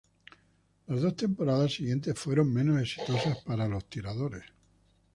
Las dos temporadas siguientes fueron menos exitosas para "Los Tiradores".